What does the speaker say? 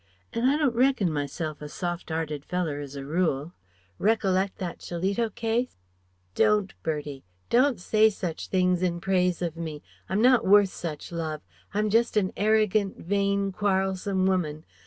An' I don't reckon myself a soft 'earted feller as a rule.... Reklect that Shillito Case ?" "Don't, Bertie! Don't say such things in praise of me. I'm not worth such love. I'm just an arrogant, vain, quarrelsome woman....